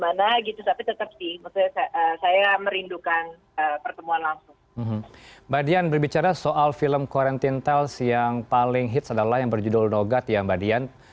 mbak dian berbicara soal film quarantine tales yang paling hits adalah yang berjudul nogat ya mbak dian